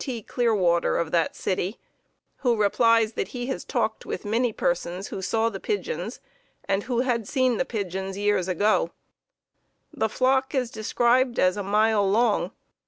T. Clearwater of that city, who replies that he has talked with many persons who saw the pigeons and who had seen the pigeons years ago. The flock is described as a mile long.